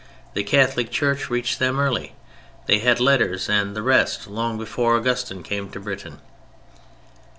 The Catholic Church reached them early. They had letters and the rest long before Augustine came to Britain.